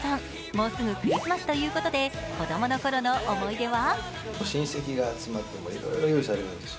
もうすぐクリスマスということで子供の頃の思い出は？